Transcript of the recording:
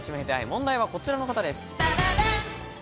問題はこちらの方です。